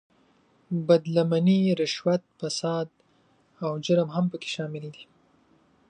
بد لمنۍ، رشوت، فساد او جرم هم په کې شامل دي.